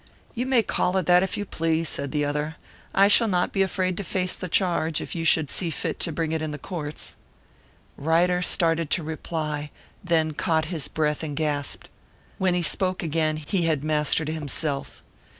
"You may call it that if you please," said the other. "I shall not be afraid to face the charge, if you should see fit to bring it in the courts." Ryder started to reply, then caught his breath and gasped. When he spoke again, he had mastered himself.